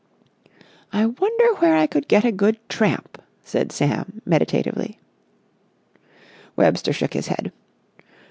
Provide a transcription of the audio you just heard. "I wonder where I could get a good tramp," said Sam, meditatively. Webster shook his head.